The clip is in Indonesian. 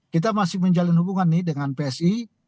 kita masih menjalin hubungan nih dengan psi